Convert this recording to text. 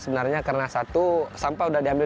sebenarnya karena satu sampah sudah diambil